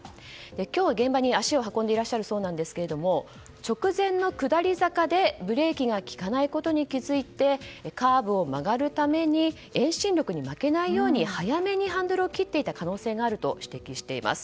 今日、現場に足を運んでいらっしゃるそうなんですけど直前の下り坂でブレーキが利かないことに気づいて、カーブを曲がるために遠心力に負けないように早めにハンドルを切っていた可能性があると指摘しています。